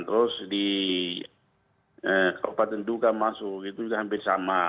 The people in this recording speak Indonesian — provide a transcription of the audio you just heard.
terus di kabupaten duga masuk itu sudah hampir sama